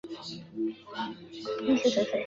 芽叠生。